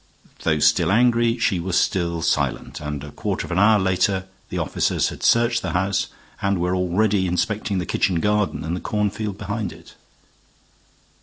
Though still angry, she was still silent, and a quarter of an hour later the officers had searched the house and were already inspecting the kitchen garden and cornfield behind it.